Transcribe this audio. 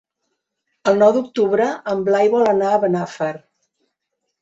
El nou d'octubre en Blai vol anar a Benafer.